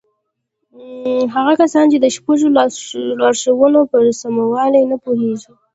هغه کسان چې د شپږو لارښوونو پر سموالي نه پوهېږي.